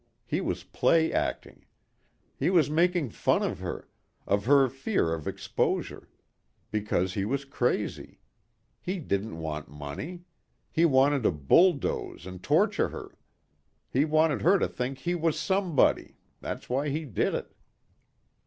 He was play acting. He was making fun of her, of her fear of exposure. Because he was crazy. He didn't want money. He wanted to bulldoze and torture her. He wanted her to think he was somebody that's why he did it.